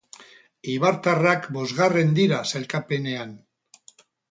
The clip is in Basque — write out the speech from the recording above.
Eibartarrak bosgarren dira sailkapenean.